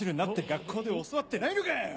学校で教わってないのか！